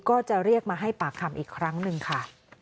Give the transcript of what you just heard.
ก็จะเรียกมาให้ปากคำอีกครั้งหนึ่งค่ะ